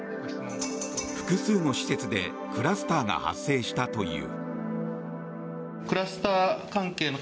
複数の施設でクラスターが発生したという。